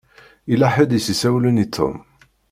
Yella ḥedd i s-isawlen i Tom.